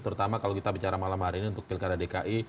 terutama kalau kita bicara malam hari ini untuk pilkada dki